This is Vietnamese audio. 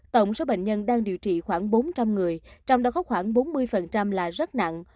tổng số bệnh nhân đang điều trị khoảng bốn trăm linh người trong đó có khoảng bốn mươi là rất nặng